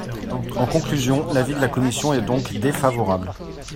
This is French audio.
En conclusion, l’avis de la commission est donc défavorable.